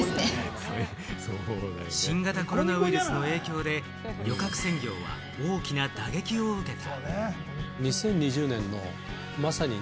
新型コロナウイルスの影響で旅客船業は大きな打撃を受けた。